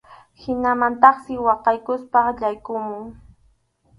Hinamantaqsi waqaykuspa yaykumun.